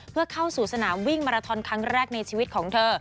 เพื่อเข้าสู่สนามวิ่งมาราทอนครั้งแรกในชีวิตของเธอ